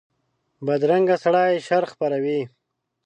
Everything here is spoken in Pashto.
بدرنګه سړي شر خپروي